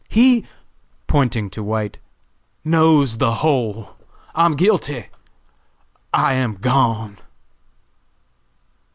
He," pointing to White, "knows the whole. I am guilty!! I am gone!!!"